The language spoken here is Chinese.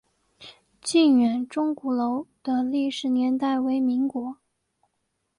靖远钟鼓楼的历史年代为民国。